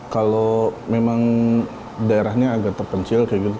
kalau memang daerahnya agak terpencil kayak gitu